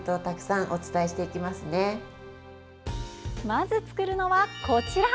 まず作るのは、こちら。